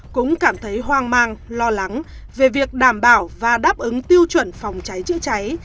cũng cảm thấy hoang mang lo lắng về việc đảm bảo và đáp ứng tiêu chuẩn phòng cháy chữa cháy